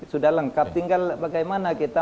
sudah lengkap tinggal bagaimana kita